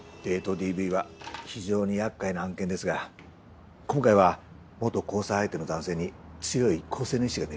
ＤＶは非常に厄介な案件ですが今回は元交際相手の男性に強い更生の意思が見られました。